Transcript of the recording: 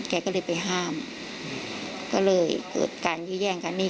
แกก็เลยไปห้ามก็เลยเกิดการยื้อแย่งกันนี่